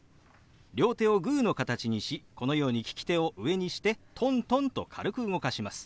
両手をグーの形にしこのように利き手を上にしてトントンと軽く動かします。